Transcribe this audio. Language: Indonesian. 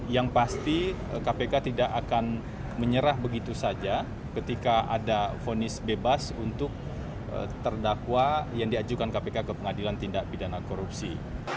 yang pasti kpk tidak akan menyerah begitu saja ketika ada fonis bebas untuk terdakwa yang diajukan kpk ke pengadilan tindak pidana korupsi